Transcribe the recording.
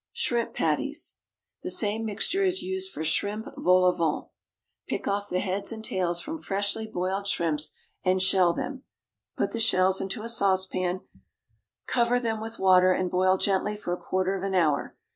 =Shrimp Patties.= (The same mixture is used for shrimp "vol au vent"). Pick off the heads and tails from freshly boiled shrimps, and shell them. Put the shells into a saucepan, cover them with water, and boil gently for a quarter of an hour.